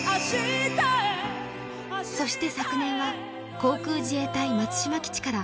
そして昨年は航空自衛隊松島基地から